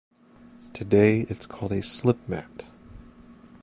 Today it's called a slipmat.